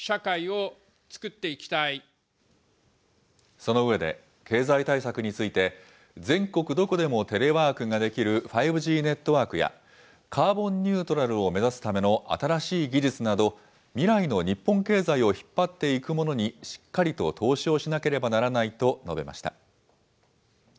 その上で、経済対策について、全国どこでもテレワークができる５Ｇネットワークや、カーボンニュートラルを目指すための新しい技術など、未来の日本経済を引っ張っていくものに、しっかりと投資をしなければならないと述べました。